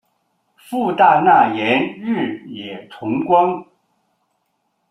父大纳言日野重光。